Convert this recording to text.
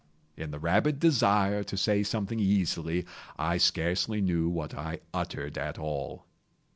(In the rabid desire to say something easily, I scarcely knew what I uttered at all.)